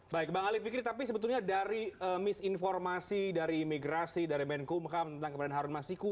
baik bang ali fikri tapi sebetulnya dari misinformasi dari imigrasi dari menkumham tentang kemarin harun masiku